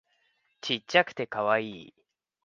ちっちゃくてカワイイ